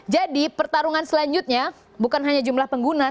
jadi pertarungan selanjutnya bukan hanya jumlah pengguna